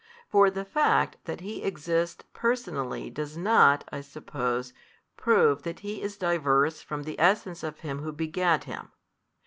For the fact that He exists Personally does not (I suppose) prove that He is diverse from the Essence of Him who begat Him.